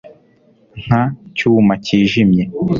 nka cyuma cyijimye